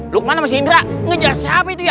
lukman sama sindra ngejar siapa itu ya